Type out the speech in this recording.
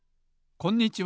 こんにちは。